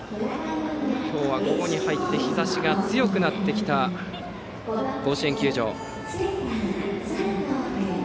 今日は午後に入って日ざしが強くなってきた甲子園球場。